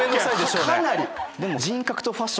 かなり！